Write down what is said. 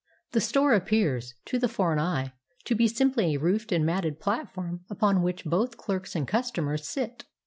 The store appears, to the foreign eye, to be simply a roofed and matted platform upon which both clerks and customers sit.